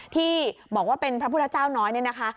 ที่บอกว่าเป็นพระพุทธเจ้าน้อยเนี่ยนะคะ